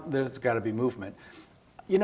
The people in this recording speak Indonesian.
tapi sekarang harus ada pergerakan